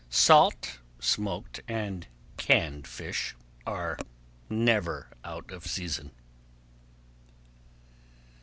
Salt, smoked, and canned fish are never out of season.